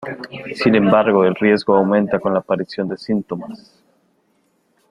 Sin embargo el riesgo aumenta con la aparición de síntomas.